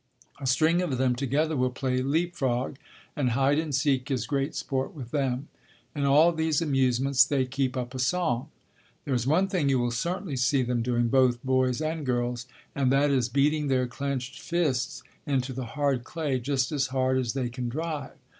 A string of them together will play "leap frog," and hide and seek is great sport with them. In all these amusements they keep up a song. There is one thing you will certainly see them doing, both boys and girls, and that is beating their clenched fists into the hard clay just as hard as they can drive.